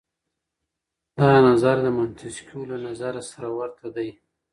دا نظر د منتسکيو له نظره سره ورته دی.